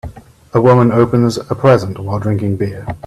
a woman opens a present while drinking beer